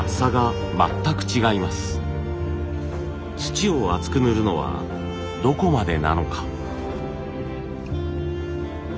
土を厚く塗るのはどこまでなのか？